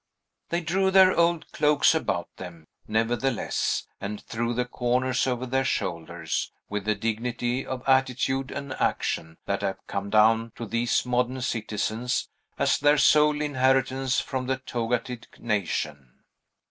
They drew their old cloaks about them, nevertheless, and threw the corners over their shoulders, with the dignity of attitude and action that have come down to these modern citizens, as their sole inheritance from the togated nation.